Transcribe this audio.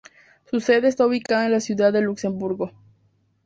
Su sede está ubicada en la ciudad de Luxemburgo.